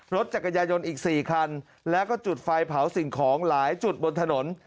รถจักรยายนอีก๔คันแล้วก็จุดไฟเผาสิ่งของหลายจุดบนถนน